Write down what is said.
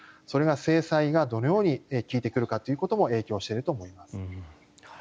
それが制裁が、どのように効いてくるかということも影響していると思います。